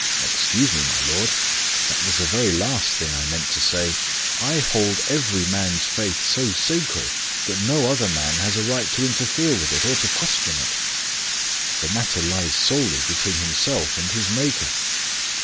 "Excuse me, my lord, that was the very last thing I meant to say. I hold every man's faith so sacred, that no other man has a right to interfere with it, or to question it. The matter lies solely between himself and his Maker."